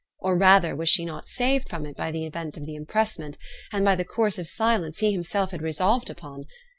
or, rather, was she not saved from it by the event of the impressment, and by the course of silence he himself had resolved upon?